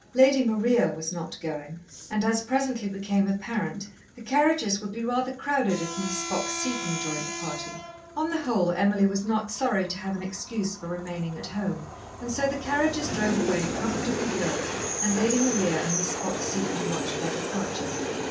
Lady Maria was not going, and, as presently became apparent, the carriages would be rather crowded if Miss Fox Seton joined the party. On the whole, Emily was not sorry to have an excuse for remaining at home, and so the carriages drove away comfortably filled, and Lady Maria and Miss Fox Seton watched their departure.